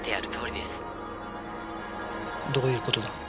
どういう事だ？